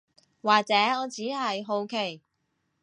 或者我只係好奇